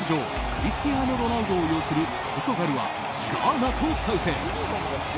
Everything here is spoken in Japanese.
クリスティアーノ・ロナウドを擁するポルトガルはガーナと対戦。